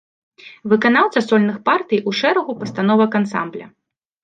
Выканаўца сольных партый у шэрагу пастановак ансамбля.